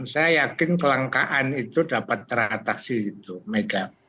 saya yakin kelangkaan itu dapat teratasi itu mega